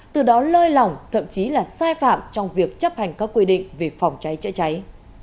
từ đó lơi lỏng thậm chí là sai phạm trong việc chấp hành các quy định về phòng cháy chữa cháy